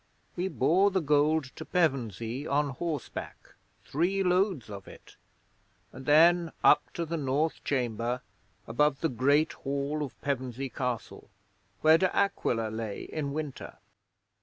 We bore the gold to Pevensey on horseback three loads of it and then up to the north chamber, above the Great Hall of Pevensey Castle, where De Aquila lay in winter.